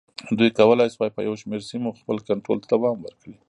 دوی کولای شوای په یو شمېر سیمو خپل کنټرول ته دوام ورکړي.